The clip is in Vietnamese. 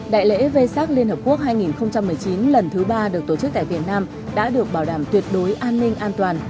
đại lễ vê sát liên hợp quốc hai nghìn một mươi chín lần thứ ba được tổ chức tại việt nam đã được bảo đảm tuyệt đối an ninh an toàn